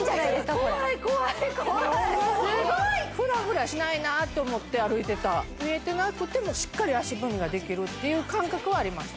これ怖い怖い怖いスゴいフラフラしないなと思って歩いてた見えてなくてもしっかり足踏みができるっていう感覚はありました